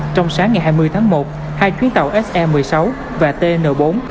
trong sáng ngày hai mươi tháng một hai chuyến tàu se một mươi sáu và tn bốn